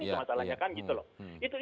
itu masalahnya kan gitu loh